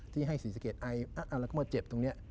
ที่ให้ศรีสะเกดไอแล้วก็มาเจ็บตรงนี้